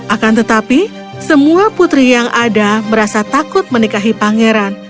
akan tetapi semua putri yang ada merasa takut menikahi pangeran